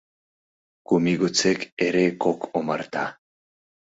Кум ий годсек эре кок омарта.